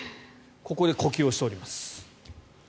ここで呼吸をしております。